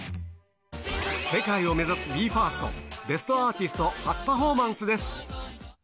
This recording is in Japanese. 世界を目指すＢＥ：ＦＩＲＳＴ『ベストアーティスト』初パフォーマンスです。